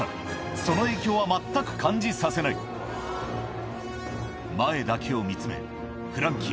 その影響は全く感じさせない前だけを見つめフランキー